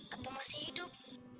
atau masih hidup